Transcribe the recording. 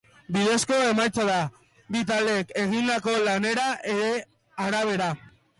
Bidezko emaitza da, bi taldeek egindako lanaren arabera.